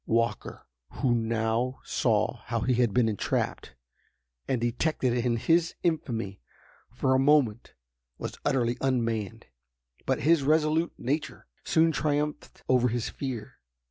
Walker, who now saw how he had been entrapped, and detected in his infamy, for a moment was utterly unmanned. But, his resolute nature soon triumphed over his fear.